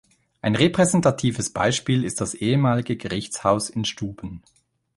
Ein repräsentatives Beispiel ist das ehemalige Gerichtshaus in Stuben.